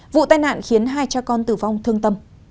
vụ tai nạn khiến hai cha con tử vong thương tâm